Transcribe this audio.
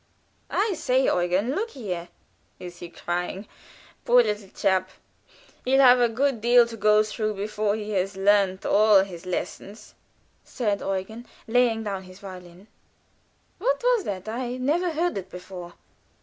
"I say, Eugen! Look here!" "Is he crying? Poor little chap! He'll have a good deal to go through before he has learned all his lessons," said Eugen, laying down his violin. "What was that? I never heard it before."